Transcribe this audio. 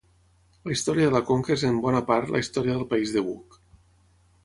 La història de la conca és en bona part la història del País de Buc.